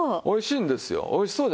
おいしいんです。